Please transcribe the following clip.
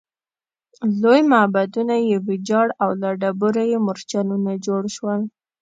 لوی معبدونه یې ویجاړ او له ډبرو یې مورچلونه جوړ شول